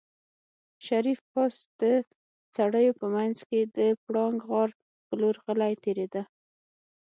شريف پاس د څېړيو په منځ کې د پړانګ غار په لور غلی تېرېده.